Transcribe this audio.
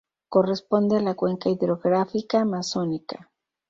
Corresponde a la cuenca hidrográfica amazónica.